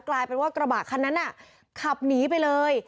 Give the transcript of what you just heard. กลายเป็นว่ากระบะคันนั้นน่ะขับหนีไปเลย